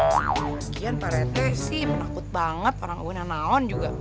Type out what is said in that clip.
lagian pak rete sih menakut banget orang uwinanaon juga